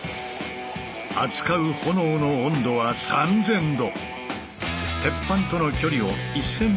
扱う炎の温度は３，０００度。